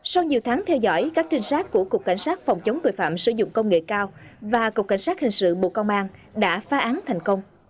sau nhiều tháng theo dõi các trinh sát của cục cảnh sát phòng chống tội phạm sử dụng công nghệ cao và cục cảnh sát hình sự bộ công an đã phá án thành công